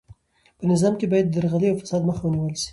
په نظام کې باید د درغلۍ او فساد مخه ونیول سي.